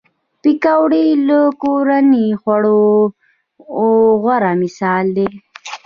پکورې له کورني خوړو غوره مثال دی